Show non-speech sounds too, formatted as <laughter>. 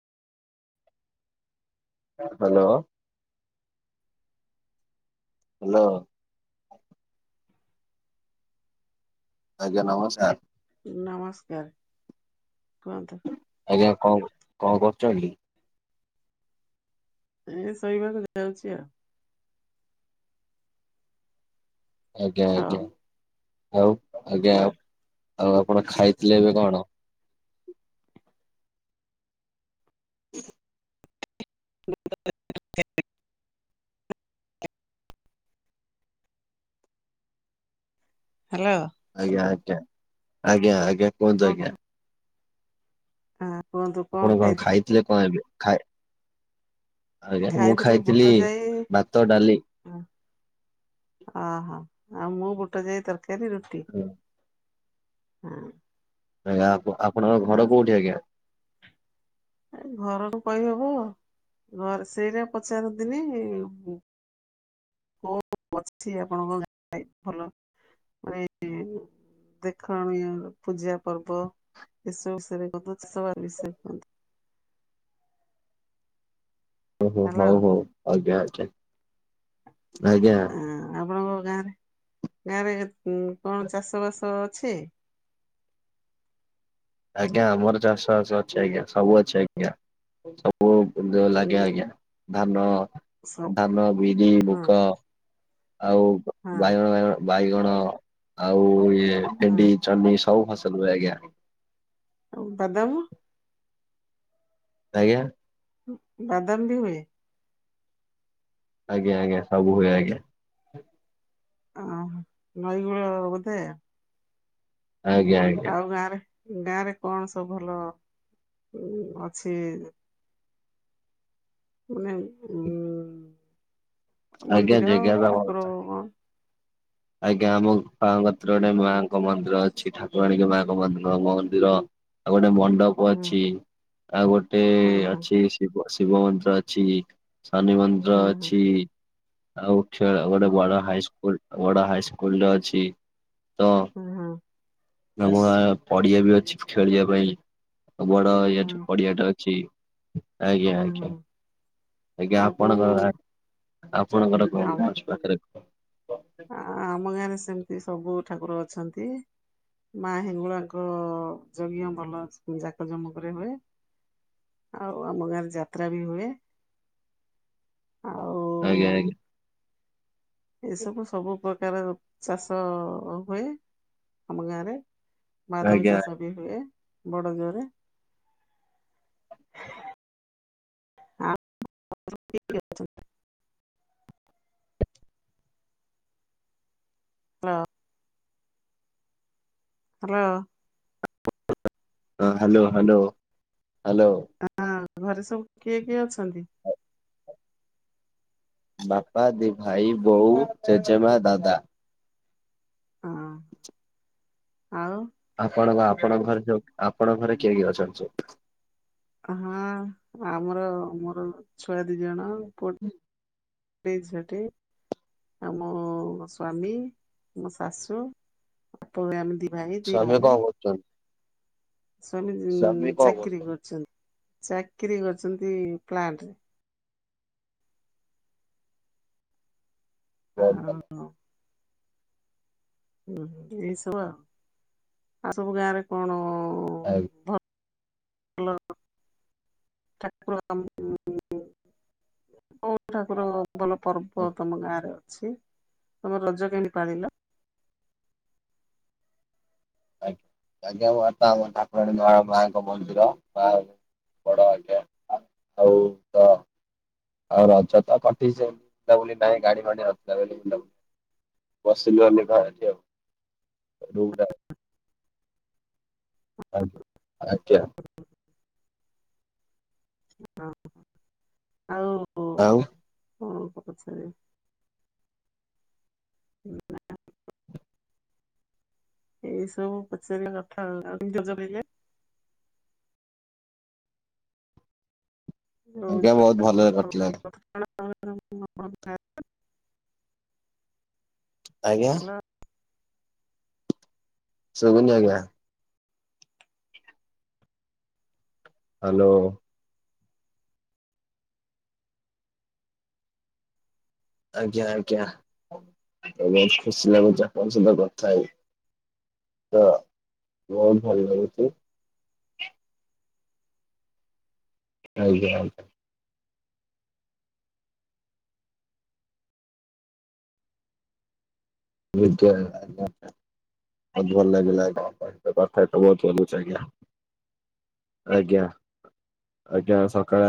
Hello. Hello. ଆଜ୍ଞା ନମସ୍କାର। ନମସ୍କାର କୁହନ୍ତୁ। ଆଜ୍ଞା କଣ କ କଣ କରୁଚନ୍ତି କି? ଏଇ ଶୋଇବାକୁ ଯାଉଚି ଆ। ଆଜ୍ଞା ଆଜ୍ଞା ହଉ ଆଉ ଆଜ୍ଞା ହଁ ଆଉ ଆଉ ଆପଣ ଖାଇଥିଲେ ଏବେ କଣ? ହ <inaudible> ହାଲୋ। ଆଜ୍ଞା ଆଜ୍ଞା ଆଜ୍ଞା ଆଜ୍ଞା କୁହନ୍ତୁ ଆଜ୍ଞା। ଆଁ କୁହନ୍ତୁ। ଆପଣ କଣ ଖାଇଥିଲେ କଣ ଏବେ ଖାଏ ଆଜ୍ଞା ମୁଁ ଖାଇଥିଲି ଭାତ ଡାଲି। ହ ଅହୋ ଆଉ ମୁଁ ବୁଟ ଯାଇ ତରକାରୀ ରୁଟି ହଁ। ଆଜ୍ଞା ଆପଣଙ୍କ ଘର ଆଉ କୋଉଠି ଆଜ୍ଞା? ଏ ଘରକୁୁ କହିହବ ଘରେ ସେଇଟା ପଚାରନ୍ତିିନି ଅଛି ଆପଣଙ୍କ ଭଲ ମାନେ ଦେଖଣୀୟ ପୂଜା ପର୍ବ ଏସବୁ ବିଷୟରେ କୁହନ୍ତୁ ବିଷୟରେ କୁହନ୍ତୁ। ଓହୋ ହଉ ହ୍ୟାଲୋ ହଉ ଆଜ୍ଞା ଆଜ୍ଞା ଆଜ୍ଞା। ହଁ ଆପଣଙ୍କ ଗାଁରେ ଗାଁରେ କଣ ଚାଷ ବାସ ଅଛି? ଆଜ୍ଞା ଆମର ଚାଷ ବାସ ଅଛି ଆଜ୍ଞା ସବୁ ଅଛି ଆଜ୍ଞା। ଯୋଉ ଲାଗେ ଆଜ୍ଞା ଧାନ ସବୁ ଧାନ ବିରି ହଁ ମୁଗ। ଆଉ ହଁ ବାଇଗଣ ବାଇଗଣ ବାଇଗଣ ଆଉ ଇଏ ହଁ ଭେଣ୍ଡି। ଜହ୍ନି ସବୁ ଫସଲ ହୁଏ ଆଜ୍ଞା। ଆଉ ବାଦାମ? ଆଜ୍ଞା। ବାଦାମ ବି ହୁଏ। ଆଜ୍ଞ ଆଜ୍ଞା ସବ ହୁଏ ଆଜ୍ଞା। ଓହୋ ନଈକୂଳ ବୋଧେ? ଆଜ୍ଞା ଆଜ୍ଞା। ଆଉ ଗାଁରେ ଗାଁରେ କଣ ସବୁ ଭଲ ଅଛି। ମାନେ ଉ ଆଜ୍ଞା ମନ୍ଦିର ଜେଗା ବି ଆମ ଠାକୁର? ଆଜ୍ଞା ଆମ ବାଙ୍କତରେ ଗୋଟେ ମାଆଙ୍କ ମନ୍ଦିର ଅଛି। ଠାକୁରାଣୀଙ୍କ ମାଙ୍କ ମନ୍ଦିର ମନ୍ଦିର ଆଉ ଗୋଟେ ମଣ୍ଡପ ହଁ ଅଛି ଆଉ ଗୋଟେ ହଁ ଅଛି ଶିବ ମନ୍ଦିର ଅଛି ଶନି ମନ୍ଦିର ହଁ ହଁ ଅଛି। ଆଉ ଖେଳ ହଁ ଗୋଟେ ବଡ ହାଇସ୍କୁଲ ବଡ ହାଇସ୍କୁଲଟେ ଅଛି ତ ହୁଁ ହୁଁ। ଆମ ଗାଁ ପଡିଆ ବି ଅଛି ଖେଳିବା ପାଇଁ। ବଡ ଇଏଟା ହଁ ପଡିଆଟା ଅଛି ଆଜ୍ଞା ହଁ ଆଜ୍ଞା। ହଁ। ଆଜ୍ଞା ଆଉ କୋଉ ଆପଣଙ୍କ ଆପଣଙ୍କର କଣ ଆଉ କଣ ଅଛି ପାଖରେ। ଆ ଆମ ଗାଁରେ ସେମିତି ସବୁ ଠାକୁର ଅଛନ୍ତି। ମା ହେଙ୍ଗୁଳାଙ୍କ ଯଜ୍ଞ ଭଲ ଯାକ ଜମକରେ ହୁଏ। ଆଉ ଆମ ଗାଁରେ ଯାତ୍ରା ବି ହୁଏ। ଆଉ ଆଜ୍ଞା ଆଜ୍ଞା। ଏସବୁ ସବୁ ପ୍ରକାର ଚାଷ ହୁଏ ଆମ ଗାଁରେ। ବାଦମ ଆଜ୍ଞା ଚାଷ ବି ହୁଏ ବଡ ଜୋରେ। ଆଉ <unintelligible> ହ୍ୟାଲୋ। Hello hello hello. ହଁ ଘରେ ସବୁ କିଏ କିଏ ଅଛନ୍ତି? ବାପା ଦି ଭାଇ ବୋଉ ଜେଜେମା ଦାଦା। ହଁ ଆଉ? ଆପଣ ବା ଆପଣ ଘରେ ଯ ଆପଣ ଘରେ କିଏ କିଏ ଅଛନ୍ତି ସବୁ? ହଁ ଆମର ମୋର ଛୁଆ ଦି ଜଣ ପୁ ପୁଅ ଟେ ଝିଅ ଟେ। ଆଉ ମୋ ସ୍ୱାମୀ ମୋ ଶାଶୁ ଅପ ଏମିତିି ଭାଇ ଦି ସ୍ଵାମୀ ଭଉଣୀ କଣ କରୁଛନ୍ତି ସ୍ଵାମୀ ସ୍ୱାମୀ କଣ ଚାକିରୀ କରୁଛନ୍ତି କରୁଛନ୍ତି ଚାକିରୀ କରୁଛନ୍ତି ପ୍ଲାଣ୍ଟରେ। ବହୁତ ଭଲ। ଆଉ ହୁଁ ଏଇ ସବୁ ଆଉ ଆଉ ସବୁ ଗାଁରେ କଣ ଆଜ୍ଞା ଭଲ <unintelligible> କୋଉ ଠାକୁର ଭଲ ପର୍ବ ତୋମ ଗାଁରେ ଅଛି? ତୋମେ ରଜ କେମିତି ପାଳିଲ ଆଜ୍ଞା, ଆଜ୍ଞା, ଆମ ମାତା ମୋ ଠାକୁରାଣୀ ମା ମାଙ୍କ ମନ୍ଦିର। ମା <inaudible> ବଡ ଆଜ୍ଞା ଆ, ଆଉ ତ ଆଉ ରଜ ତ କଟେଇଚ ତା ବୁଲା ନାଇଁ ଗାଡି ଫାଡି ନଥିଲା ବୋଲି ଯାଉ। ବସିଲି ଖାଲି ଘରଠି ଆଉ। ଯୋଉଟା ଆଜ୍ଞ, ଆଜ୍ଞା। ହଁ ଆଉ ଆଉ। କଣ ପ- ପଛାରିବି? ନା <inaudible> ଏଇ ସବୁ ପଚାରିଲ କଥା ଆଉ, ଆଉ <inaudible> ଆଜ୍ଞା ବହୁତ ଭଲରେ କଟିଲା। <inaudible> ଆଜ୍ଞା। ଶଗୁନି ଆଜ୍ଞା। ହାଲୋ। ଆଜ୍ଞା, ଆଜ୍ଞା, ତ ବହୁତ ଖୁସି ଲାଗୁଛି ଆପଣଙ୍କ ସହିତ କଥା ହେଇ। ତ ବହୁତ ଭଲ ଲାଗୁଛି। ଆଜ୍ଞା, ଆଜ୍ଞା। ବୁଧବାର ଗଲା ଆଜ୍ଞା। ବହୁତ ଭଲ ଲାଗିଲା, କଥା ତ ବହୁତ ବୋଲୁଛି ଆଜ୍ଞା। ଆଜ୍ଞା, ଆଜ୍ଞା, ସକାଳେ